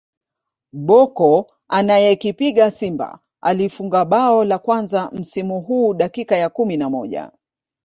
Bocco anayekipiga Simba alifunga bao la kwanza msimu huu dakika ya kumi na moja